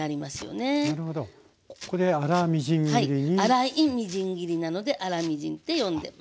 粗いみじん切りなので粗みじんって呼んでます。